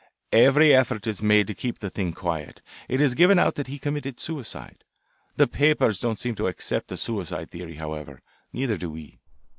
Every effort is made to keep the thing quiet. It is given out that he committed suicide. The papers don't seem to accept the suicide theory, however. Neither do we.